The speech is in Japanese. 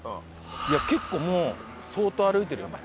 いや結構もう相当歩いてるよね。